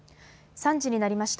３時になりました。